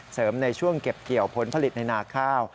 ในช่วงเก็บเกี่ยวผลผลิตในนาข้าว